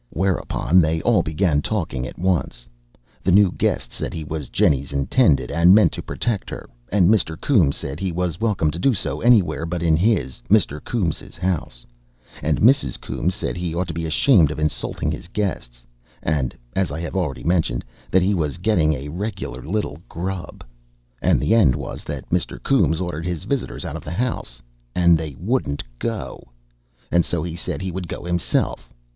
Whereupon they all began talking at once. The new guest said he was Jennie's "intended," and meant to protect her, and Mr. Coombes said he was welcome to do so anywhere but in his (Mr. Coombes') house; and Mrs. Coombes said he ought to be ashamed of insulting his guests, and (as I have already mentioned) that he was getting a regular little grub; and the end was, that Mr. Coombes ordered his visitors out of the house, and they wouldn't go, and so he said he would go himself.